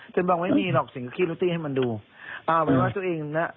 ฉันบอกไม่มีหรอกฉันก็คิดลูกที่ให้มันดูเอาไปว่าตัวเองน่ะ